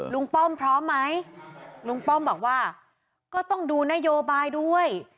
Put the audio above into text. ป้อมพร้อมไหมลุงป้อมบอกว่าก็ต้องดูนโยบายด้วย